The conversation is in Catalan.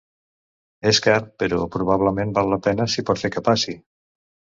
És car, però probablement val la pena si pot fer que passi.